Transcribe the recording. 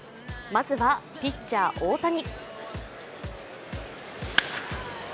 まずはピッチャー・大谷。